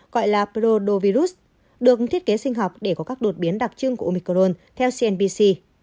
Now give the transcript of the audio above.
gọi là provirus được thiết kế sinh học để có các đột biến đặc trưng của omicron theo cnbc